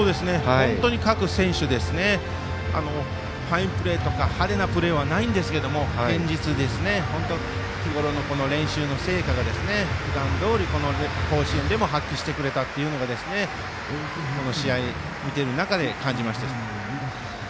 各選手ファインプレーとか派手なプレーはないんですけど堅実に、日頃の練習の成果が普段どおり、この甲子園でも発揮してくれたというのがこの試合見ている中で感じました。